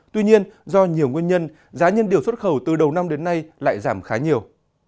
tuy nhiên do nhiều nguyên nhân giá nhân điều xuất khẩu từ đầu năm đến nay lại giảm khá nhiều